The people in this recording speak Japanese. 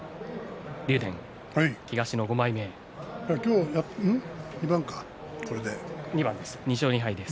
東の５枚目です。